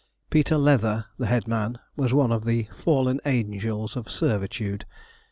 Peter Leather, the head man, was one of the fallen angels of servitude.